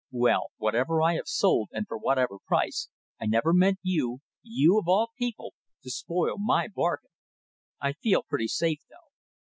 Well, whatever I have sold, and for whatever price, I never meant you you of all people to spoil my bargain. I feel pretty safe though.